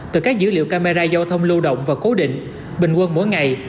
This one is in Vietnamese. từ các dữ liệu camera giao thông lưu động và cố định bình quân mỗi ngày